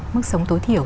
mức sống tối thiểu